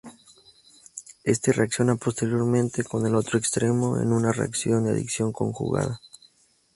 Éste reacciona posteriormente con el otro extremo en una reacción de adición conjugada.